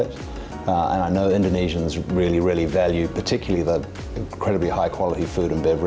saya tahu bahwa orang indonesia sangat menghargai terutama orang indonesia yang berpengaruh di indonesia